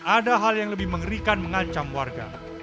ada hal yang lebih mengerikan mengancam warga